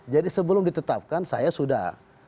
jadi sebelum ditetapkan saya sudah